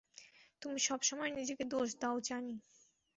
তুমি সবসময়ে নিজেকে দোষ দাও, জানি।